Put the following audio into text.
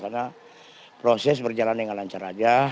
karena proses berjalan dengan lancar aja